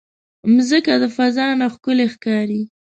مځکه د فضا نه ښکلی ښکاري.